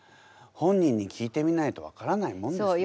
本人に聞いてみないと分からないもんですね。